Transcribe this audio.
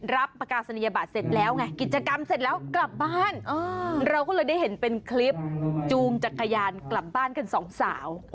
รับประกาศนียบัตรเสร็จแล้วไงกิจกรรมเสร็จแล้วกลับบ้านเราก็เลยได้เห็นเป็นคลิปจูงจักรยานกลับบ้านกันสองสาว